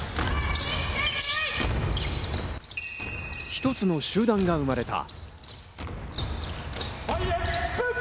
一つの集団が生まれた。